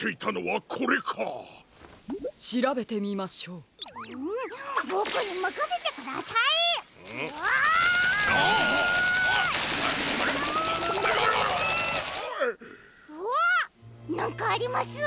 うわっ！なんかあります！